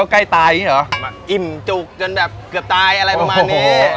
ยังธรรมดาสำหรับพี่นอทมีพิเศษอย่างงี้อีก